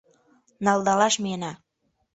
Налдалаш миена!